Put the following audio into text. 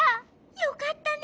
よかったね。